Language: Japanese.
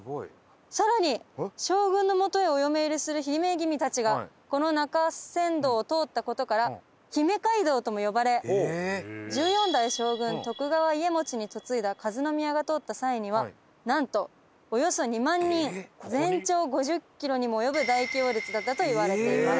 「更に将軍のもとへお嫁入りする姫君たちがこの中山道を通った事から“姫街道”とも呼ばれ１４代将軍徳川家茂に嫁いだ和宮が通った際にはなんとおよそ２万人全長５０キロにも及ぶ大行列だったといわれています」